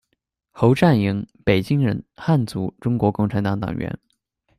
侯湛莹，北京人，汉族，中国共产党党员。